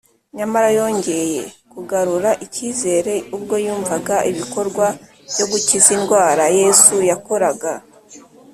nyamara yongeye kugarura icyizere ubwo yumvaga ibikorwa byo gukiza indwara yesu yakoraga